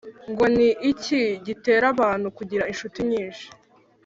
Ngo ni iki gitera abantu kugira inshuti nyinshi?